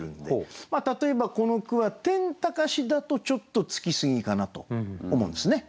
例えばこの句は「天高し」だとちょっとつきすぎかなと思うんですね。